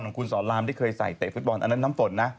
ของคุณสอนลามที่เคยใส่เตะฟุตบอล